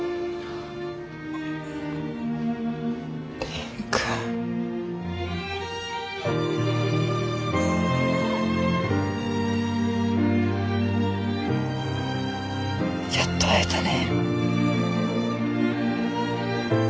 蓮くん。やっと会えたね。